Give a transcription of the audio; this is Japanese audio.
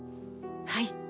はい。